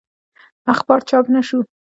اخبار چاپ نه شو.